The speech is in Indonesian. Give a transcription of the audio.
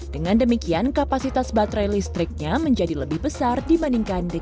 dengan demikian kapasitas baterai listriknya menjadi lebih berat